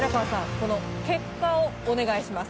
この結果をお願いします。